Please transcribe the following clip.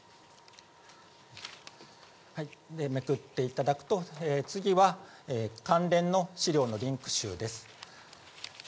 めくっていただくと、次は関連の資料のリンク集です。